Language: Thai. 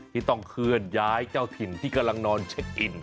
ที่ต้องเคลื่อนย้ายเจ้าถิ่นที่กำลังนอนเช็คอิน